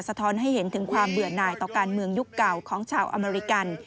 ท้อนให้เห็นถึงความเบื่อหน่ายต่อการเมืองยุคเก่าของชาวอเมริกัน